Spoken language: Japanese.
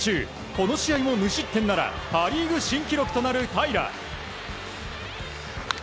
この試合も無失点ならパ・リーグ新記録となる平良。